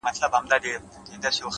د عمل اغېز تر خبرو ژور وي!